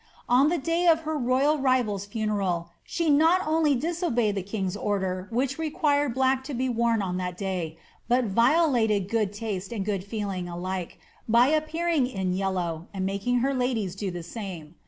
On the day of her royal rival's funeral she not only disobeyed the king's order, which required black to be worn 00 that day, but violated good taste and good feeling alike by appearing in yellow, and making her ladies do the same.'